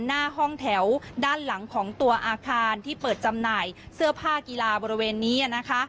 หน้าห้องแถวด้านหลังของตัวอาคารที่เปิดจำหน่ายเสื้อผ้ากีฬาบริเวณนี้นะคะ